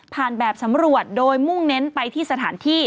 แบบสำรวจโดยมุ่งเน้นไปที่สถานที่